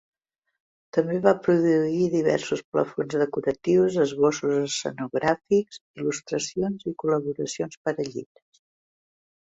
També va produir diversos plafons decoratius, esbossos escenogràfics, il·lustracions i col·laboracions per a llibres.